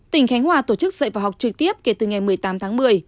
tỉnh khánh hòa tổ chức dậy vào học trực tiếp kể từ ngày một mươi tám tháng một mươi